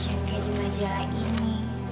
yang kayak di majalah ini